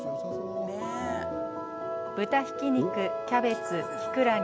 豚ひき肉キャベツきくらげ